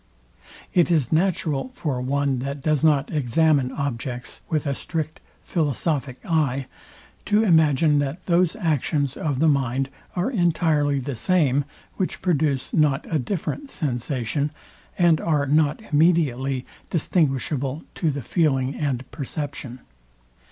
It is natural for one, that does not examine objects with a strict philosophic eye, to imagine, that those actions of the mind are entirely the same, which produce not a different sensation, and are not immediately distinguishable to the feeling and perception.